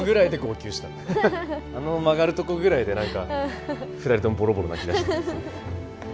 あの曲がるとこぐらいで何か２人ともボロボロ泣き出した。